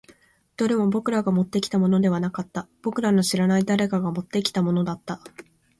どれも僕らがもってきたものではなかった。僕らの知らない誰かが持ってきたものだった。